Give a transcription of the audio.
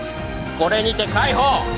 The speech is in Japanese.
これにて解放！